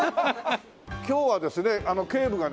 今日はですね警部がね